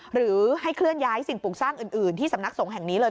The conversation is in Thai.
หรือให้เคลื่อนย้ายสิ่งปลูกสร้างอื่นที่สำนักสงฆ์แห่งนี้เลย